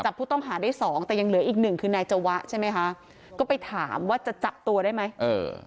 จับผู้ต้องหาได้สองแต่ยังเหลืออีกหนึ่งคือนายจวะใช่ไหมคะก็ไปถามว่าจะจับตัวได้ไหมเออ